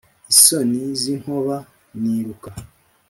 Isoni zinkoba niruka,